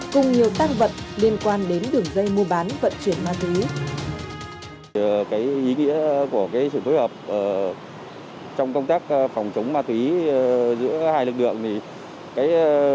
cùng nhiều tăng vật liên quan đến đường dây mua bán vận chuyển ma túy